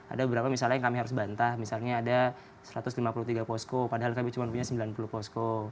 ada beberapa misalnya yang kami harus bantah misalnya ada satu ratus lima puluh tiga posko padahal kami cuma punya sembilan puluh posko